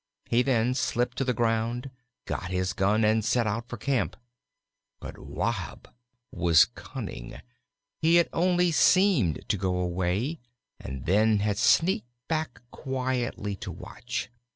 He then slipped to the ground, got his gun, and set out for camp. But Wahb was cunning; he had only seemed to go away, and then had sneaked back quietly to watch.